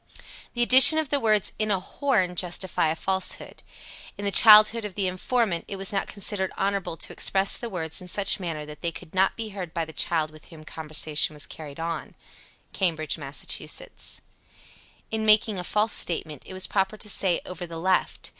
_ 70. The addition of the words "in a horn" justify a falsehood. In the childhood of the informant, it was not considered honorable to express the words in such manner that they could not be heard by the child with whom conversation was carried on. Cambridge, Mass. 71. In making a false statement, it was proper to say "over the left."